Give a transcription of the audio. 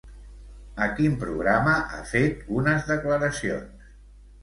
A quin programa ha fet unes declaracions?